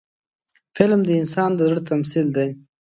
فلم د انسان د زړه تمثیل دی